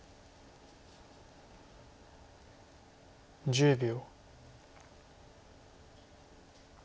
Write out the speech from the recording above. １０秒。